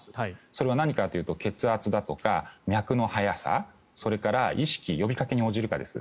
それは何かというと血圧だとか脈の速さそれから意識呼びかけに応じるかです。